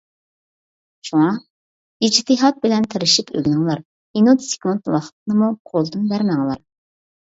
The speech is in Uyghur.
شۇڭا، ئىجتىھات بىلەن تىرىشىپ ئۆگىنىڭلار، مىنۇت-سېكۇنت ۋاقىتنىمۇ قولدىن بەرمەڭلار!